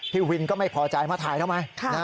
พี่วินก็ไม่พอใจมาถ่ายทำไม